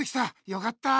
よかった。